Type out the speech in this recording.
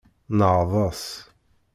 Neɛḍes.